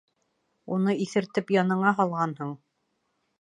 Уны иҫертеп яныңа һалғанһың.